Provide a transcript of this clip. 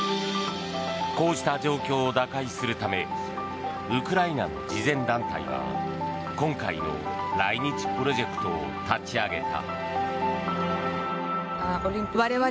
こうした状況を打開するためウクライナの慈善団体が今回の来日プロジェクトを立ち上げた。